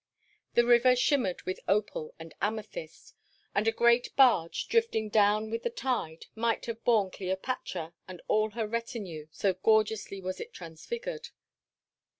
The river shimmered with opal and amethyst; and a great barge, drifting down with the tide, might have borne Cleopatra and all her retinue, so gorgeously was it transfigured.